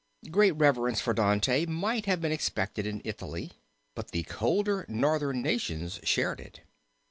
Great reverence for Dante might have been expected in Italy but the colder Northern nations shared it.